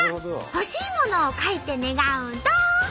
「ほしいもの」を書いて願うんと！